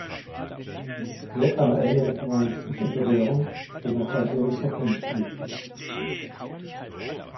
Hier kam er eng mit dem Humanismus in Berührung, dem er zeitlebens verbunden blieb.